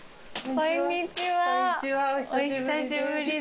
こんにちは。